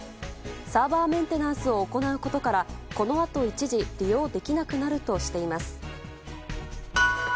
サーバーメンテナンスを行うことからこのあと一時利用できなくなるとしています。